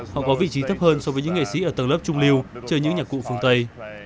họ có vị trí thấp hơn so với những nghệ sĩ ở tầng lớp trung lưu chơi những nhạc cụ phương tây